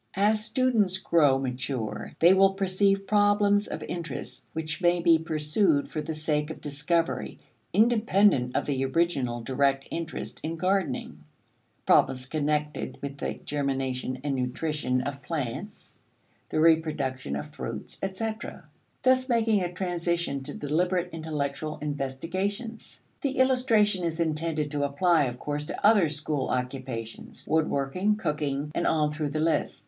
As students grow mature, they will perceive problems of interest which may be pursued for the sake of discovery, independent of the original direct interest in gardening problems connected with the germination and nutrition of plants, the reproduction of fruits, etc., thus making a transition to deliberate intellectual investigations. The illustration is intended to apply, of course, to other school occupations, wood working, cooking, and on through the list.